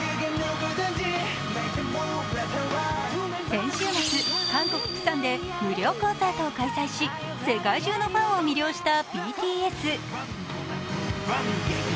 先週末、韓国・プサンで無料コンサートを開催し世界中のファンを魅了したＢＴＳ。